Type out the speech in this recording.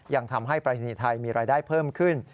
ยังทำให้ปรายศนีย์ไทยมีรายได้เพิ่มขึ้น